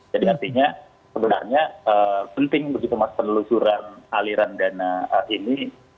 jadi artinya sebenarnya penting begitu mas penelusuran aliran dana ini